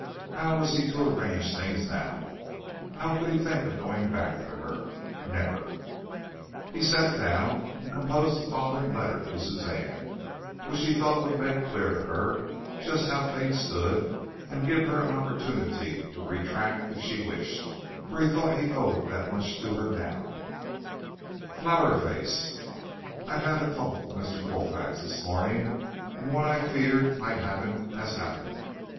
How was he to arrange things now? How could he think of going back to her? Never! He sat down and composed the following letter to Suzanne, which he thought would make clear to her just how things stood and give her an opportunity to retract if she wished, for he thought he owed that much to her now: "Flower Face: I had a talk with Mr. Colfax this morning and what I feared might happen has happened.